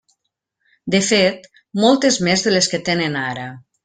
De fet, moltes més de les que tenen ara.